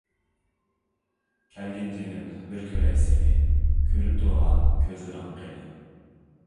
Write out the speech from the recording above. كەلگىن جېنىم بىر كۆرەي سېنى، كۈلۈپ تۇرغان كۆزلىرىڭ قېنى؟ .